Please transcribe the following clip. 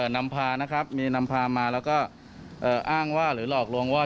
นำพานะครับมีนำพามาแล้วก็อ้างว่าหรือหลอกลวงว่า